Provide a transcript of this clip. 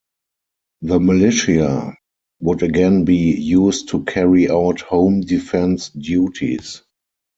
The militia would again be used to carry out home defence duties.